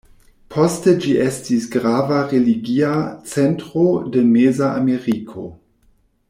Poste ĝi estis grava religia centro de Meza Ameriko.